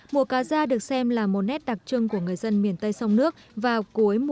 mùa cá da được xem là một nét đặc trưng của người dân miền tây sông nước vào cuối mùa